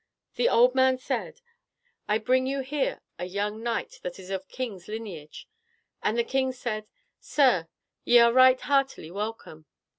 The old man said, "I bring you here a young knight that is of kings' lineage," and the king said, "Sir, ye are right heartily welcome."